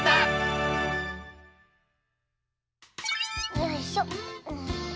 よいしょ。